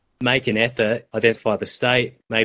buat usaha untuk mengenal pasti negara mungkin nama bahasa